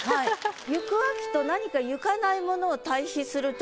行く秋と何か行かないものを対比するって